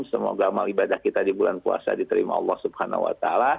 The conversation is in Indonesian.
semoga amal ibadah kita di bulan puasa diterima allah swt